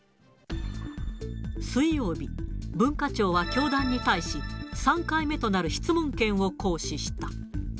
水曜日、文化庁は教団に対し、３回目となる質問権を行使した。